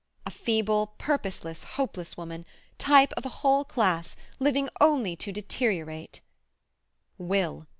A feeble, purposeless, hopeless woman; type of a whole class; living only to deteriorate— Will!